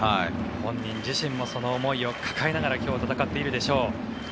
本人、自身もその思いを抱えながら今日、戦っているでしょう。